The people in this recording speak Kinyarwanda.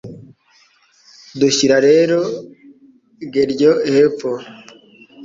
Dushyira rero Géryon hepfo